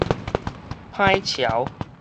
歹撨